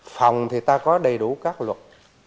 phòng thì ta có đầy đủ các luật